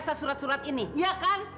sesurat surat ini ya kan